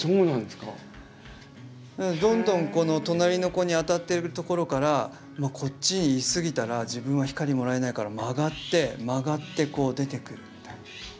なのでどんどんこの隣の子に当たってるところからこっちにいすぎたら自分は光もらえないから曲がって曲がってこう出てくるみたいな。